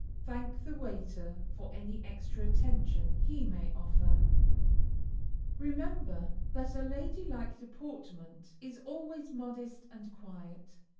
Thank the waiter for any extra attention he may offer. Remember that a lady like deportment is always modest and quiet.